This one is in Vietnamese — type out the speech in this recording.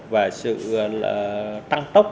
và sự tăng tốc